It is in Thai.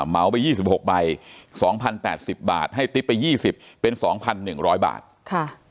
เหมาไป๒๖ใบ๒๐๘๐บาทให้ติ๊บไป๒๐เป็น๒๑๐๐บาทค่ะ